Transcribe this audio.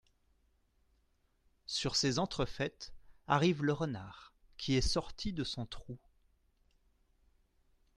Sur ces entrefaites, arrive le renard, qui est sorti de son trou.